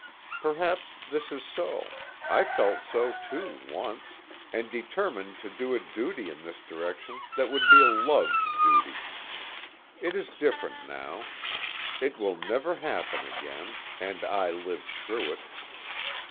Perhaps this is so I felt so too, once, and determined to do a duty in this direction that would be a loved duty. It is different now. It will never happen again and I live through it.